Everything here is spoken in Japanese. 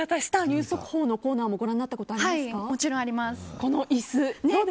ニュース速報のコーナーもご覧になったこともちろんあります。